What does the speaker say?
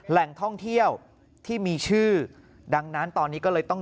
แหล่งท่องเที่ยวที่มีชื่อดังนั้นตอนนี้ก็เลยต้อง